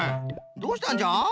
どうしたんじゃ？